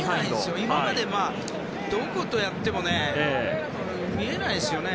今までどことやっても見えないですよね。